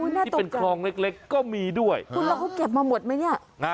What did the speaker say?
น่าตกจังคุณละเขาเก็บมาหมดมั้ยเนี่ยคุณละเขาเก็บมาหมดมั้ยเนี่ย